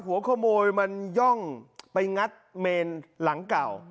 หัวขโมยมันย่องไปงัดเมนหลังเก่า